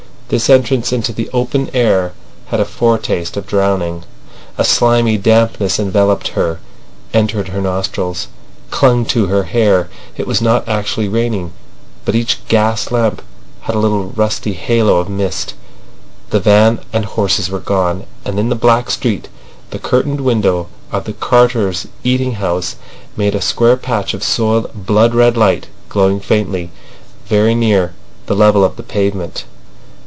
This entrance into the open air had a foretaste of drowning; a slimy dampness enveloped her, entered her nostrils, clung to her hair. It was not actually raining, but each gas lamp had a rusty little halo of mist. The van and horses were gone, and in the black street the curtained window of the carters' eating house made a square patch of soiled blood red light glowing faintly very near the level of the pavement.